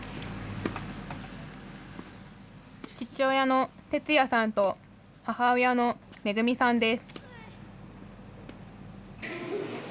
父親の哲也さんと母親の恵さんです。